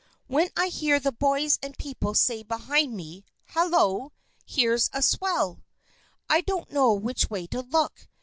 When I hear the boys and people say behind me, 'Hallo! Here's a swell!' I don't know which way to look.